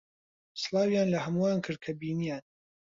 سڵاویان لە ھەمووان کرد کە بینییان.